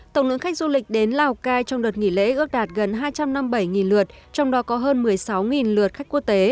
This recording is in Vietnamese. tổng lượng khách du lịch đến lào cai trong đợt nghỉ lễ ước đạt gần hai trăm năm mươi bảy lượt trong đó có hơn một mươi sáu lượt khách quốc tế